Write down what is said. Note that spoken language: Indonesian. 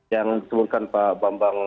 yang ditemukan pak bambang